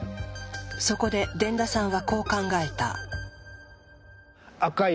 そこで傳田さんはこう考えた。